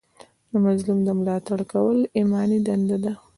د مظلوم ملاتړ کول ایماني دنده ده.